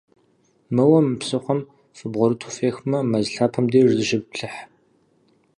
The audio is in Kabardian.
Моуэ мы псыхъуэм фыбгъурыту фехмэ, мэз лъапэм деж зыщыфплъыхь.